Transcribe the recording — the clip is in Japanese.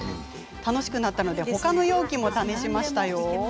楽しくなっちゃったので他の容器も試します。